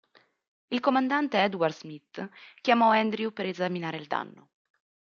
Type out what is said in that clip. Il comandante Edward Smith chiamò Andrews per esaminare il danno.